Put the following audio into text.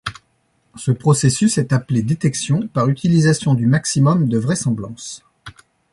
Ce processus est appelé détection par utilisation du maximum de vraisemblance.